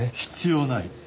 必要ない。